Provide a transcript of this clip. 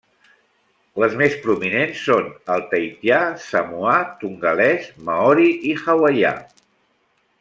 Les més prominents són el tahitià, samoà, tongalès, maori i hawaià.